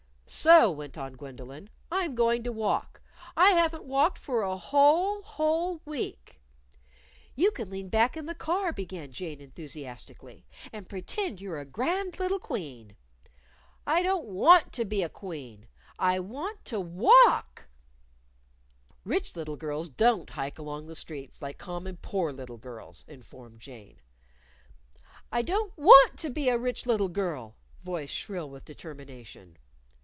"So," went on Gwendolyn, "I'm going to walk. I haven't walked for a whole, whole week." "You can lean back in the car," began Jane enthusiastically, "and pretend you're a grand little Queen!" "I don't want to be a Queen. I want to walk. "Rich little girls don't hike along the streets like common poor little girls," informed Jane. "I don't want to be a rich little girl," voice shrill with determination.